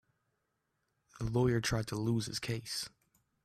The lawyer tried to lose his case.